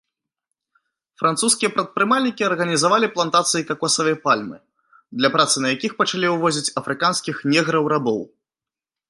Французскія прадпрымальнікі арганізавалі плантацыі какосавай пальмы, для працы на якіх пачалі увозіць афрыканскіх неграў-рабоў.